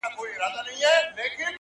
دومره کمزوری يم له موټو نه چي زور غورځي’